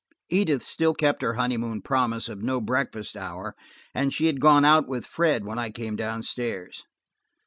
Edith still kept her honeymoon promise of no breakfast hour and she had gone out with Fred when I came down stairs.